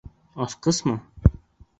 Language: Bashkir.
Асҡысмы?